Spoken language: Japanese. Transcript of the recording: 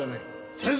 先生！